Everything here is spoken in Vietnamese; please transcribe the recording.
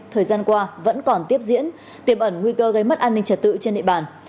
thời gian qua vẫn còn tiếp diễn tiềm ẩn nguy cơ gây mất an ninh trật tự trên địa bàn